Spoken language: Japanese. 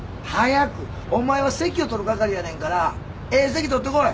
お前は席を取る係やねんからええ席取ってこい。